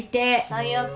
最悪！